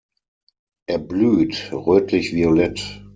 Er blüht rötlich-violett.